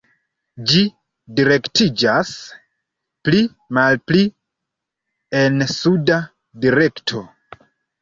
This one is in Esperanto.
Ĝi direktiĝas pli malpli en suda direkto.